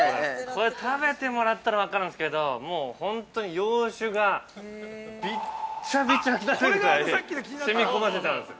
これ、食べてもらったら分かるんですけど、もう本当に洋酒がびっちゃびちゃになるぐらいにしみこませてるんです。